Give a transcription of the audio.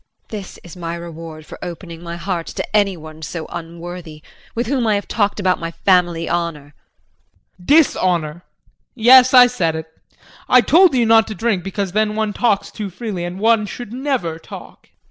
JULIE. This is my reward for opening my heart to anyone so unworthy, with whom I have talked about my family honor. JEAN. Dishonor yes, I said it. I told you not to drink because then one talks too freely and one should never talk.